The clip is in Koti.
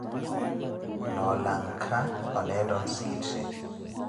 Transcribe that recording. Noo lanka, oneettaka onsikitti.